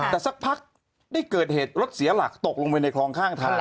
แต่สักพักได้เกิดเหตุรถเสียหลักตกลงไปในคลองข้างทัน